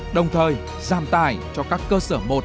đồng thời giam tài cho các cơ sở một